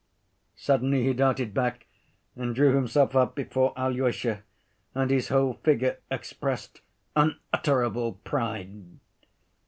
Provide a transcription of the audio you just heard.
Suddenly he darted back and drew himself up before Alyosha, and his whole figure expressed unutterable pride.